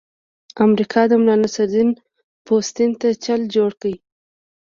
امریکا د ملانصرالدین پوستین ته چل جوړ کړی.